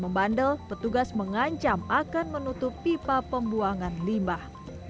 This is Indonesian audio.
membandel petugas mengancam akan menutup pipa pembuangan limbah